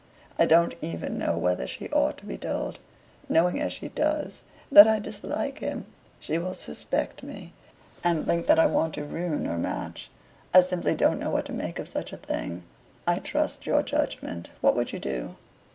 I don't even know whether she ought to be told. Knowing as she does that I dislike him, she will suspect me, and think that I want to ruin her match. I simply don't know what to make of such a thing. I trust your judgment. What would you do?"